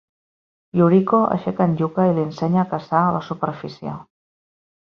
Yuriko aixeca en Yuka i li ensenya a caçar a la superfície.